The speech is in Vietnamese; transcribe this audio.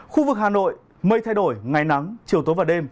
khu vực hà nội mây thay đổi ngày nắng chiều tối và đêm